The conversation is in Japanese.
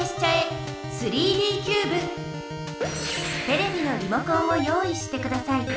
テレビのリモコンを用いしてください。